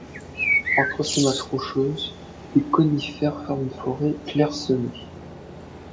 Entre ces masses rocheuses, des conifères forment une forêt clairsemée.